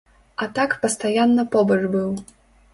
А так пастаянна побач быў.